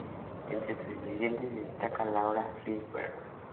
Entre sus dirigentes se destaca Laura Ginsberg.